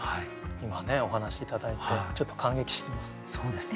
今ねお話し頂いてちょっと感激してます。